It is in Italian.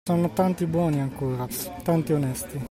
Ci sono tanti buoni ancora, tanti onesti.